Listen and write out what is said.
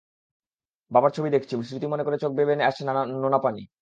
বাবার ছবি দেখছি, স্মৃতি মনে করে চোখ বেয়ে নেমে আসছে নোনা পানি।